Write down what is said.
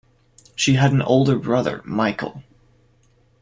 She had an older brother, Michael.